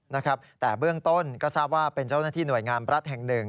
นะครับแต่เบื้องต้นก็ทราบว่าเป็นเจ้าหน้าที่หน่วยงามรัฐแห่งหนึ่ง